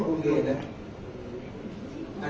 ขนลูกในการโดดเลือดได้